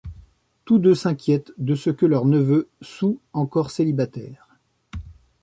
Tous deux s'inquiètent de ce que leur neveu sout encore célibataire.